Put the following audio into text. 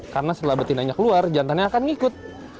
karena setelah betinanya keluar jantannya akan ngikut